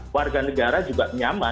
warga negara juga nyaman